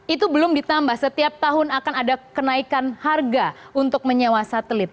itu belum ditambah setiap tahun akan ada kenaikan harga untuk menyewa satelit